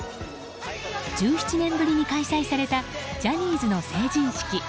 １７年ぶりに開催されたジャニーズの成人式。